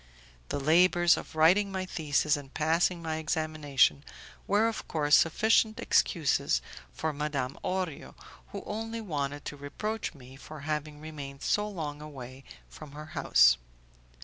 The labours of writing my thesis and passing my examination were of course sufficient excuses for Madame Orio, who only wanted to reproach me for having remained so long away from her house.